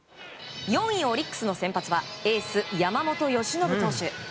４位、オリックスの先発はエース山本由伸投手。